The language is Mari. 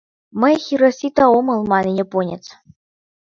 — Мый Хиросита омыл, — мане японец.